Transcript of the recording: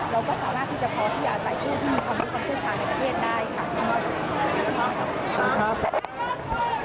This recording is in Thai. เราก็สามารถที่จะพอที่อย่าไปผู้ที่มีความรู้ความเชื่อชาในประเทศได้